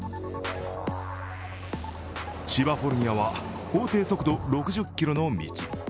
千葉フォルニアは、法定速度６０キロの道。